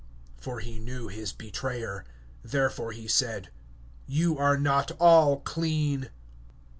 (11)For he knew his betrayer; therefore he said: Ye are not all clean.